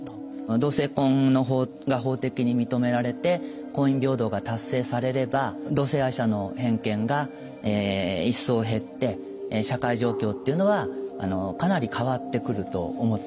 同性婚が法的に認められて婚姻平等が達成されれば同性愛者の偏見が一層減って社会状況っていうのはかなり変わってくると思ってます。